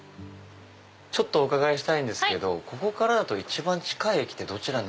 ちょっとお伺いしたいんですけどここからだと一番近い駅って。